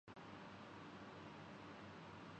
تم نے ابھے تک کچھ کیا ہی کیا ہے